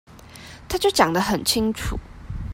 他就講得很清楚